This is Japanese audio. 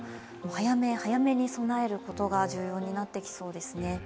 早め早めに備えることが重要になってきそうですね。